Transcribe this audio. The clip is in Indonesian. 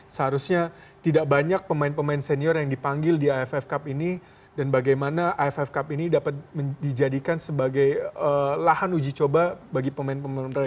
seharusnya tidak banyak pemain pemain senior yang dipanggil di aff cup ini dan bagaimana aff cup ini dapat dijadikan sebagai lahan uji coba bagi pemain pemain mereka